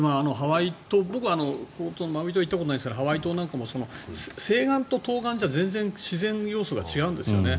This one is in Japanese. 僕はマウイ島には行ったことはないですけどハワイ島なんかも西岸と東岸じゃ自然要素が違うんですよね。